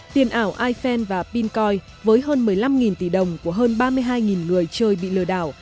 tiền ảo ifen và pincoin với hơn một mươi năm tỷ đồng của hơn ba mươi hai người chơi bị lừa đảo